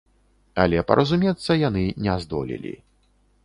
Але паразумецца яны не здолелі.